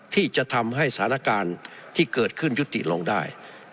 ที่จะทำให้สถานการณ์ที่เกิดขึ้นยุติลงได้